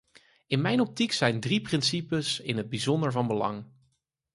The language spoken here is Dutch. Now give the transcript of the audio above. In mijn optiek zijn drie principes in het bijzonder van belang.